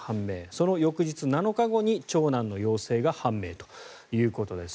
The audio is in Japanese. その翌日、７日後に長男の陽性が判明ということです。